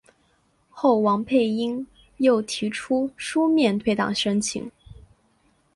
后王佩英又提出书面退党申请。